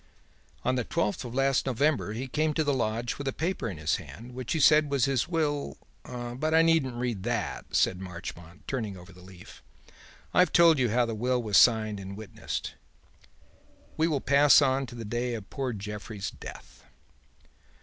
"'On the twelfth of last November he came to the lodge with a paper in his hand which he said was his will' But I needn't read that," said Marchmont, turning over the leaf, "I've told you how the will was signed and witnessed. We will pass on to the day of poor Jeffrey's death.